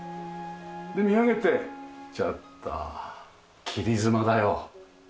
で見上げてちょっと切り妻だよ。